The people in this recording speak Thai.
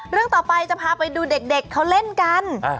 เรื่องต่อไปจะพาไปดูเด็กเขาเล่นกัน